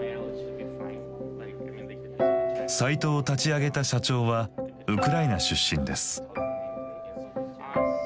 サイトを立ち上げた社長はウクライナ出身です。